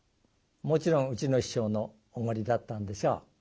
もちろんうちの師匠のおごりだったんでしょう。